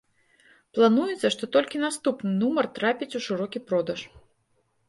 Плануецца, што толькі наступны нумар трапіць у шырокі продаж.